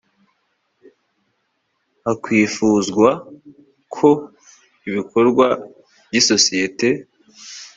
hakwifuzwa ko ibikorwa by isosiyete